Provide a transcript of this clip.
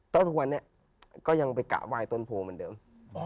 ก็ทุกวันนี้ก็ยังไปกะไหว้ต้นโพเหมือนเดิม